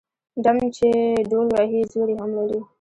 ـ ډم چې ډول وهي زور يې هم لري.